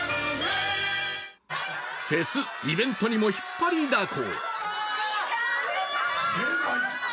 フェス、イベントにも引っ張りだこ。